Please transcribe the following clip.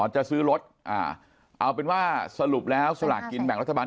จะซื้อรถเอาเป็นว่าสรุปแล้วสลากกินแบ่งรัฐบาล